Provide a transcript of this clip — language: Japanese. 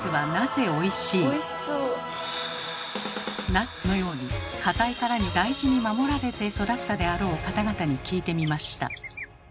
ナッツのように硬い殻に大事に守られて育ったであろう方々に聞いてみました。